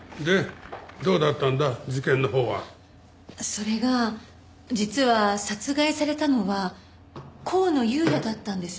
それが実は殺害されたのは香野裕哉だったんです。